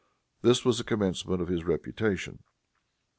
This was the commencement of his reputation.